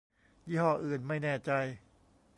ยี่ห้ออื่นไม่แน่ใจ